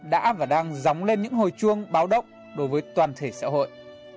đã và đang dóng lên những hồi chuông báo động đối với toàn thể xã hội